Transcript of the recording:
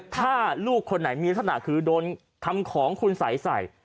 ถ้าลูกคนไหนมีลักษณะคือโดนทำของคุณสัยใส่